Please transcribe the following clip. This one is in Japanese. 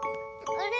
あれ？